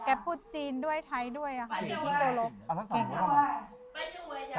แกพูดจีนด้วยไทยด้วยค่ะ